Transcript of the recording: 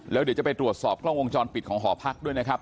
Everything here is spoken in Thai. แล้วเดี๋ยวจะไปตรวจสอบกล้องวงจรปิดของหอพักด้วยนะครับ